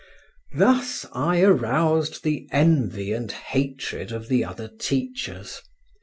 Thus I aroused the envy and hatred of the other teachers.